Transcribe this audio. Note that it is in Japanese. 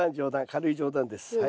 軽い冗談です。